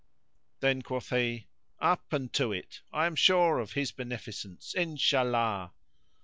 [FN#60] Then quoth he, "Up and to it; I am sure of His beneficence, Inshallah!"